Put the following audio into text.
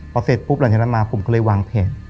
พอเสร็จปุ๊บหลังจากนั้นมาผมก็เลยวางเพจ